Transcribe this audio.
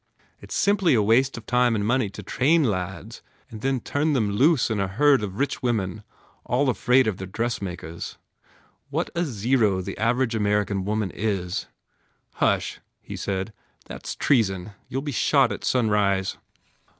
It s simply a waste of time and money to train lads and then turn them loose in a herd of rich women all afraid of their dressmakers. What a zero the average American woman is!" "Hush," he said, "That s treason! You ll be shot at sunrise!"